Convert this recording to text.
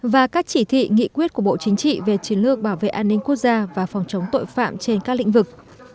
và các chỉ thị nghị quyết của bộ chính trị về chiến lược bảo vệ an ninh quốc gia và phòng chống tội phạm trên các lĩnh vực